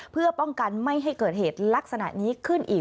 เพื่อป้องกันไม่ให้เกิดเหตุลักษณะนี้ขึ้นอีก